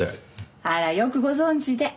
あらよくご存じで。